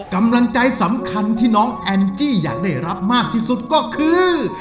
กำลังใจสำคัญที่น้องแอนจี้อยากได้รับมากที่สุดก็คือ